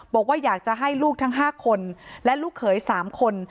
บอกว่าอยากจะให้ลูกทั้ง๕คนและลูกเขย๓คน